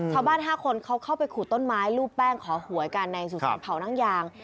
ชาวบ้านห้าคนเขาเข้าไปขู่ต้นไม้ลูบแป้งขอหวยกันในสุสานเผานั่งยาง